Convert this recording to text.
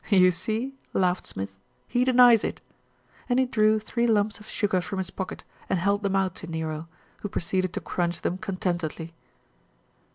"You see," laughed Smith, "he denies it," and he drew three lumps of sugar from his pocket and held them out to Nero, who proceeded to crunch them con tentedly.